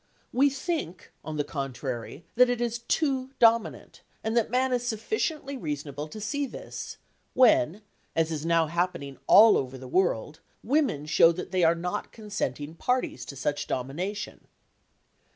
We think, on the contrary, that it is too dominant and that man is sufficiently reasonable to see this, when, as is now happening all over the world, women show that they are not consenting parties to such domination.